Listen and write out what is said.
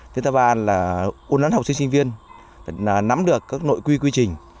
thứ ba là ôn lãn học sinh sinh viên là nắm được các nội quy quy trình